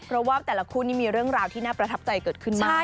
เพราะว่าแต่ละคู่นี้มีเรื่องราวที่น่าประทับใจเกิดขึ้นมาก